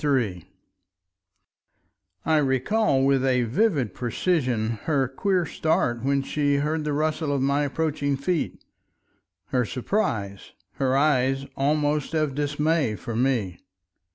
§ 3 I recall with a vivid precision her queer start when she heard the rustle of my approaching feet, her surprise, her eyes almost of dismay for me.